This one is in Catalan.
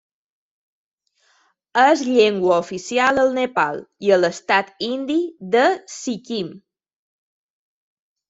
És llengua oficial al Nepal i a l'estat indi de Sikkim.